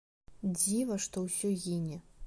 Дзіва, што ўсё гіне.